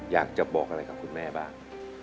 อยากจะบอกอะไรกับคุณแม่บ้าง